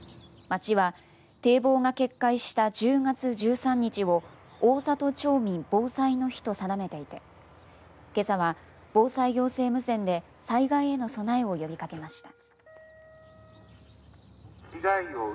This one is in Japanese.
町は堤防が決壊した１０月１３日を大郷町民防災の日と定めていてけさは、防災行政無線で災害への備えを呼びかけました。